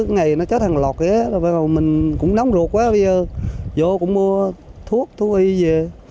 ngày nó chết hàng loạt mình cũng nóng ruột quá bây giờ vô cũng mua thuốc thuốc y về